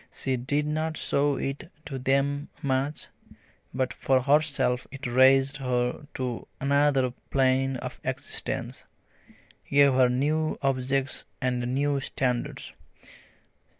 She did not show it to them much, but for herself it raised her to another plane of existence, gave her new objects and new standards.